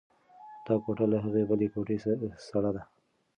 دا کوټه له هغې بلې کوټې سړه ده.